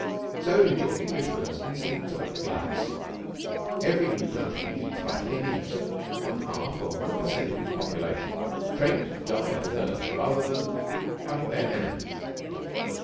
So did your Englishman's instinct about the glass. Every new country needs vitally needs one half of one per cent of its population trained to die of thirst rather than drink out of their hands.